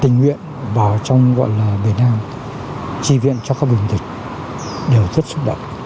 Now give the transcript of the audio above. tình nguyện vào trong gọi là biển nam tri viện cho các bình dịch đều rất xúc động